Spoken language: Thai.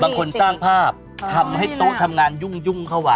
บางคนสร้างภาพทำให้โต๊ะทำงานยุ่งเข้ามา